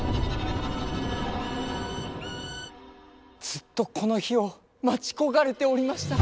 ずっとこの日を待ち焦がれておりました。